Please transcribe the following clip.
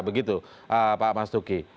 begitu pak mas duki